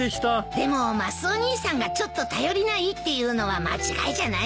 でもマスオ兄さんがちょっと頼りないっていうのは間違いじゃないよね。